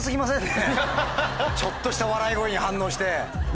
ちょっとした笑い声に反応して。